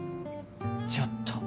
ちょっと！